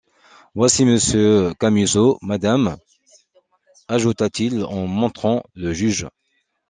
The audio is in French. Voici monsieur Camusot, madame, ajouta-t-il en montrant le juge.